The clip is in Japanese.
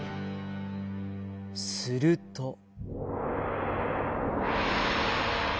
すると。